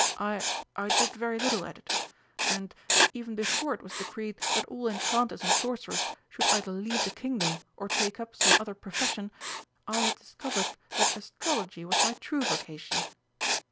"I I did very little at it. And, even before it was decreed that all enchanters and sorcerers should either leave the Kingdom or take up some other profession, I had discovered that astrology was my true vocation."